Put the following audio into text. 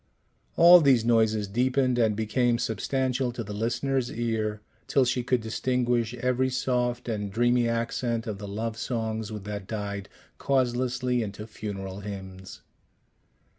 All these noises deepened and became substantial to the listener's ear, till she could distinguish every soft and dreamy accent of the love songs that died causelessly into funeral hymns.